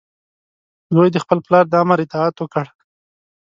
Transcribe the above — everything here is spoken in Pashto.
زوی د خپل پلار د امر اطاعت وکړ.